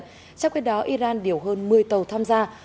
trong khi đó iran điều hơn một mươi tàu tham gia